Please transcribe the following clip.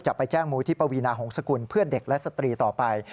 ไปแจ้งมูลที่ปวีนาหงษกุลเพื่อเด็กและสตรีต่อไป